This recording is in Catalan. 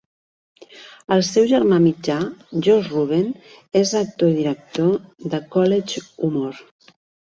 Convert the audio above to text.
El seu germà mitjà, Josh Ruben, és actor i director de CollegeHumor.